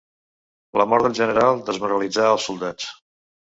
La mort del general desmoralitzà els soldats.